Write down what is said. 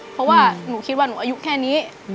เพราะว่าหนูคิดว่าหนูอายุแค่นี้